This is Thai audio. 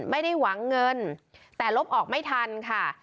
ไม่ได้หวังเงินแต่ลบออกไม่ทันค่ะ